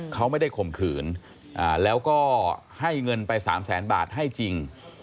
เขาไม่ได้ข่มขืนแล้วก็ให้เงินไป๓แสนบาทให้จริง